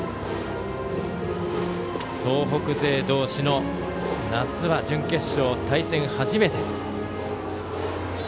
東北勢同士の夏は準決勝対戦初めて。